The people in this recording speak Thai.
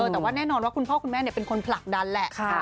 แต่ว่าแน่นอนว่าคุณพ่อคุณแม่เป็นคนผลักดันแหละ